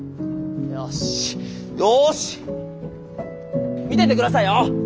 よしよし見てて下さいよ！